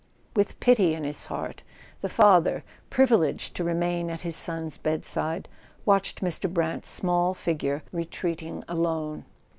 With pity in his heart, the father, privileged to remain at his son's bedside, watched Mr. Brant's small figure retreating alone.